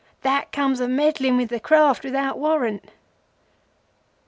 'That comes of meddling with the Craft without warrant!